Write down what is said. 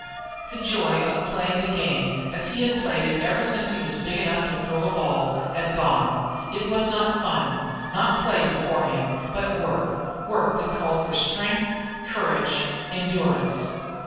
The joy of playing the game, as he had played it ever since he was big enough to throw a ball, had gone. It was not fun, not play before him, but work, work that called for strength, courage, endurance.